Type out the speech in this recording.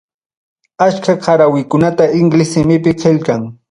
Achka qarawikunata inglés simipim qillqan.